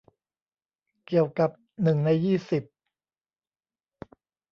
เกี่ยวกับหนึ่งในยี่สิบ